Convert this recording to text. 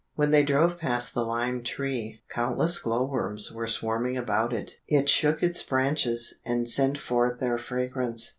When they drove past the lime tree, countless glow worms were swarming about it. It shook its branches, and sent forth their fragrance.